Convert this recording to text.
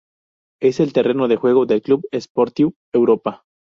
Es el terreno de juego del Club Esportiu Europa.